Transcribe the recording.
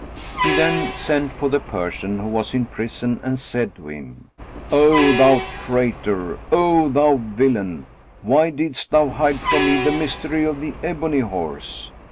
He then sent for the Persian who was in prison and said to him, "O thou traitor, O thou villian, why didst thou hide from me the mystery of the ebony horse?